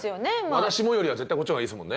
「私も」よりは絶対こっちの方がいいですもんね。